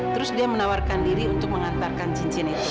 terus dia menawarkan diri untuk mengantarkan cincin itu